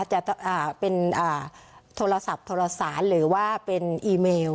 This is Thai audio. จะเป็นโทรศัพท์โทรศัพท์หรือว่าเป็นอีเมล